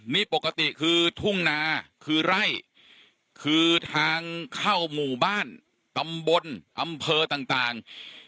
นี่ปกติคือทุ่งนาคือไร่คือทางเข้าหมู่บ้านตำบลอำเภอต่าง